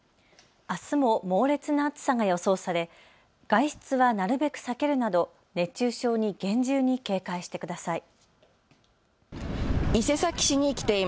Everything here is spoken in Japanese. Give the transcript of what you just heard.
あすも猛烈な暑さが予想され外出はなるべく避けるなど熱中症に厳重に警戒してください。